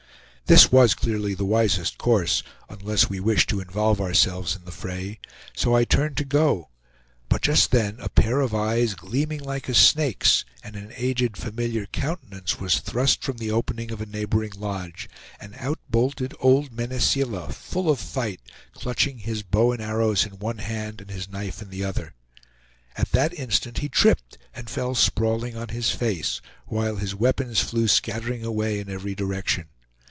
This was clearly the wisest course, unless we wished to involve ourselves in the fray; so I turned to go, but just then a pair of eyes, gleaming like a snake's, and an aged familiar countenance was thrust from the opening of a neighboring lodge, and out bolted old Mene Seela, full of fight, clutching his bow and arrows in one hand and his knife in the other. At that instant he tripped and fell sprawling on his face, while his weapons flew scattering away in every direction.